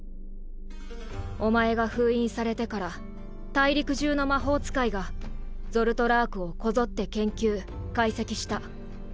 お前が封印されてから大陸中の魔法使いがゾルトラークをこぞって研究解析した。